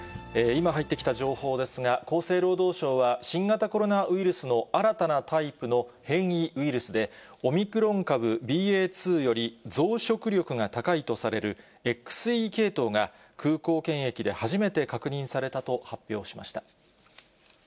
今、入ってきた情報ですが、厚生労働省は、新型コロナウイルスの新たなタイプの変異ウイルスで、オミクロン株ＢＡ．２より増殖力が高いとされる、ＸＥ系統が、空港検疫で初めて確認されたと発表しました。